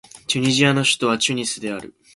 チュニジアの首都はチュニスである